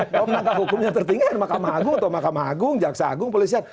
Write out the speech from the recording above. kalau penegak hukum yang tertinggi makam agung atau makam agung jaksa agung polisian